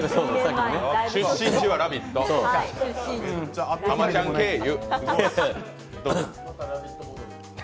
出身地は「ラヴィット！」、「浜ちゃんが！」経由。